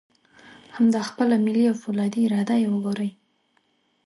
همدا خپله ملي او فولادي اراده یې وګورئ.